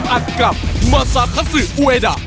อันกลับมอสซาคัสซึอเวด่า